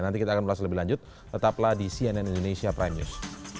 nanti kita akan ulas lebih lanjut tetaplah di cnn indonesia prime news